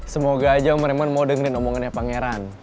semoga aja om reman mau dengerin omongannya pangeran